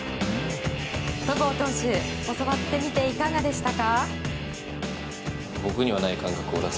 戸郷投手教わってみていかがでしたか？